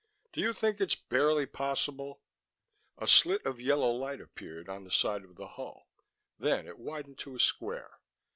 "Do you think it's barely possible " A slit of yellow light appeared on the side of the hull, then it widened to a square.